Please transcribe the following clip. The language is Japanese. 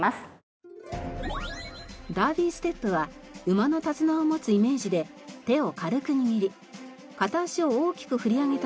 ダービーステップは馬の手綱を持つイメージで手を軽く握り片足を大きく振り上げた